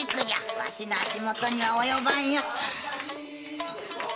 わしの足元には及ばんよ。